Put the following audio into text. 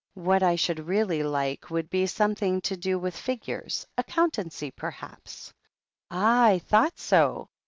What I should really like would be something to do with figures — ^accountancy perhaps." "Ah! I thought so.